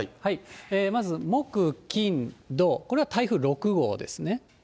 まず木、金、土、これは台風６号ですね。